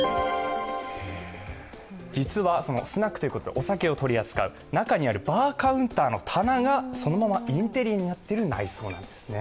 実はスナックということでお酒を取り扱う中にあるバーカウンターの棚がそのままインテリアになっている内装なんですね。